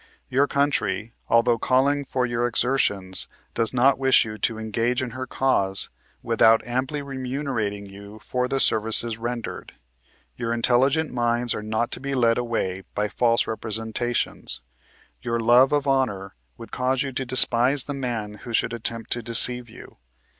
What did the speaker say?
" Your country, although calling for your exertions, does not wish you to engage in her cause without amply remunerating you for the services rendered. Your intelligent minds are not to be led away by false repre sentations. Your love of honor would cause you to despise the man who should attempt to deceive you.